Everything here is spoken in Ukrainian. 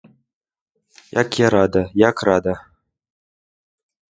Як я рада, як рада!